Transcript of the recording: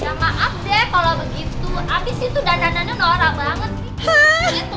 ya maaf deh kalo begitu abis itu dandanannya nora banget sih